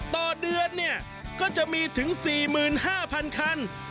ต่อเดือนเนี่ยก็จะมีถึง๔๕๐๐คัน